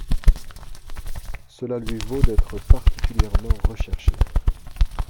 Cela lui vaut d'être particulièrement recherché.